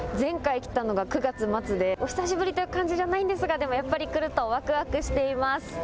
前回来たのが９月末でお久しぶりという感じじゃないんですが、やっぱり来るとワクワクしています。